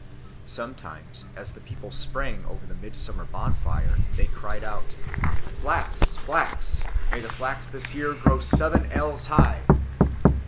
Sometimes, as the people sprang over the midsummer bonfire they cried out, "Flax, flax! may the flax this year grow seven ells high!"